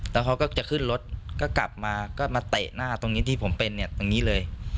แล้วเขาก็จะขึ้นรถก็กลับมาก็มาเตะหน้าตรงนี้ที่ผมเป็นเนี่ยตรงนี้เลย